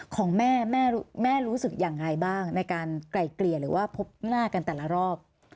ของแม่แม่รู้สึกยังไงบ้างในการไกลเกลี่ยหรือว่าพบหน้ากันแต่ละรอบ